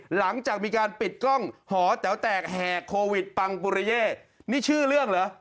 หลังจากมีการปิดกล้องหอแต๋วแตกแห่โควิดปังปุริเย่นี่ชื่อเรื่องเหรอ